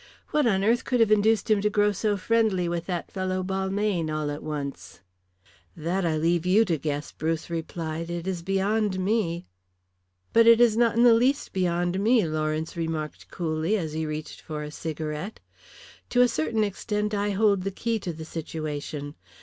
What on earth could have induced him to grow so friendly with that fellow Balmayne all at once?" "That I leave you to guess," Bruce replied. "It is beyond me." "But it is not in the least beyond me," Lawrence remarked coolly, as he reached for a cigarette. "To a certain extent I hold the key to the situation.